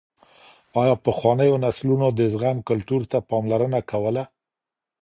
ايا پخوانيو نسلونو د زغم کلتور ته پاملرنه کوله؟